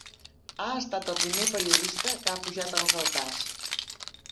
Ha estat el primer periodista que ha pujat als altars.